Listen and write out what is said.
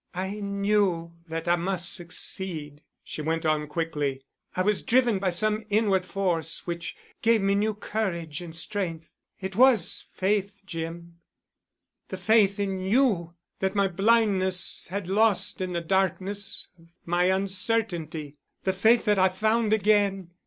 "I knew that I must succeed," she went on quickly. "I was driven by some inward force which gave me new courage, and strength. It was Faith, Jim, the Faith in you that my blindness had lost in the darkness of my uncertainty—the Faith that I found again.